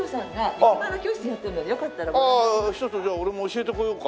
一つじゃあ俺も教えてこようか。